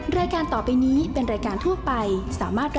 แม่บ้านเป็นจันทร์สวัสดีค่ะ